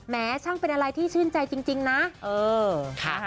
แม้ช่างเป็นอะไรที่ชื่นใจจริงจริงนะเออค่ะ